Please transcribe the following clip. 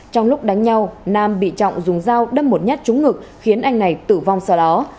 trong lúc đánh nhau nam bị trọng dùng dao đâm một nhát trúng ngực khiến anh này tử vong sau đó